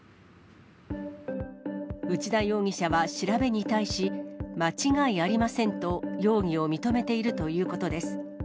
内田容疑者は調べに対し、間違いありませんと容疑を認めているということです。